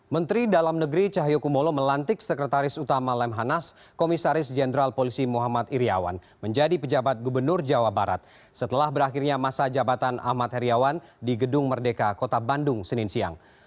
menteri dalam negeri cahyokumolo melantik sekretaris utama lemhanas komisaris jenderal polisi muhammad iryawan menjadi pejabat gubernur jawa barat setelah berakhirnya masa jabatan ahmad heriawan di gedung merdeka kota bandung senin siang